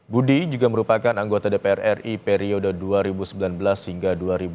budi juga merupakan anggota dpr ri periode dua ribu sembilan belas hingga dua ribu dua puluh